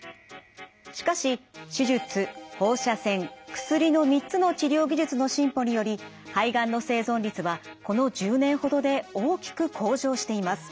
しかし手術放射線薬の３つの治療技術の進歩により肺がんの生存率はこの１０年ほどで大きく向上しています。